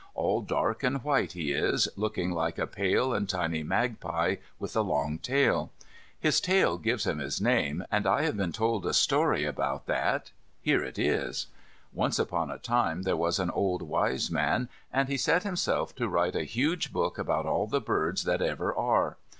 All dark and white he is, looking like a pale and tiny magpie, with a long tail. His tail gave him his name, and I have been told a story about that. Here it is: Once upon a time there was an old wise man, and he set himself to write a huge book about all the birds that ever are.